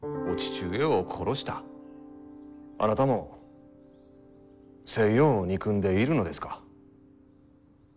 あなたも西洋を憎んでいるのですか？